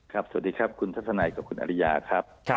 สวัสดีครับคุณทัศนัยกับคุณอริยาครับ